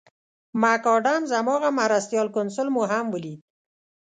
مک اډمز هماغه مرستیال کونسل مو هم ولید.